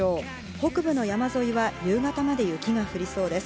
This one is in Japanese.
北部の山沿いは夕方まで雪が降りそうです。